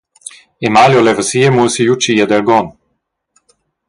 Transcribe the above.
Emalio leva si e muossa igl utschi ad Elgon.